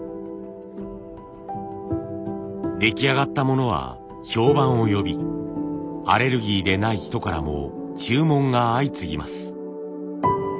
出来上がったものは評判を呼びアレルギーでない人からも注文が相次ぎます。